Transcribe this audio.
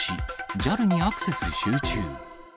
ＪＡＬにアクセス集中。